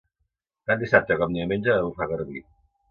Tant dissabte com diumenge va bufar garbí.